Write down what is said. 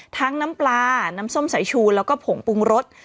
น้ำปลาน้ำส้มสายชูแล้วก็ผงปรุงรส